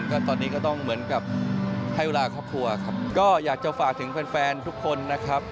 ก็ตอนนี้ก็ต้องเหมือนกับให้เวลาครอบครัวครับก็อยากจะฝากถึงแฟนแฟนทุกคนนะครับ